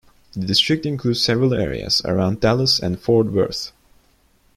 The district includes several areas around Dallas and Fort Worth.